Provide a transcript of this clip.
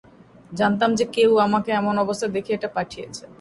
জানতাম যে কেউ আমাকে এমন অবস্থায় দেখে এটা পাঠিয়েছে।